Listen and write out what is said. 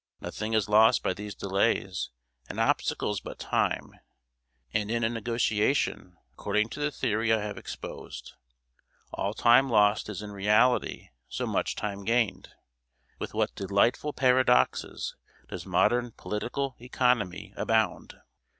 Nothing is lost by these delays and obstacles but time; and in a negotiation, according to the theory I have exposed, all time lost is in reality so much time gained; with what delightful paradoxes does modern political economy abound!